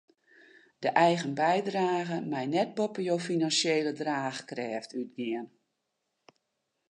De eigen bydrage mei net boppe jo finansjele draachkrêft útgean.